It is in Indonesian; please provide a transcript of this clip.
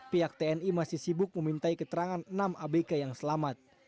pihak tni masih sibuk memintai keterangan enam abk yang selamat